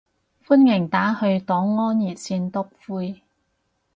歡迎打去黨安熱線篤灰